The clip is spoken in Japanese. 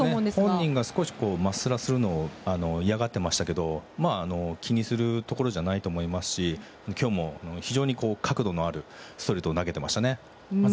本人が少しマッスラをするのを嫌がっていましたけど気にするところじゃないと思いますし今日も角度のあるストレートを投げてました。